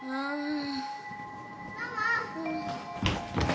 ママ。